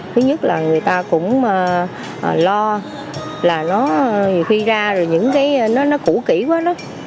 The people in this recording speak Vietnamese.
thứ nhất là người ta cũng lo là nó nhiều khi ra rồi những cái nó củ kĩ quá đó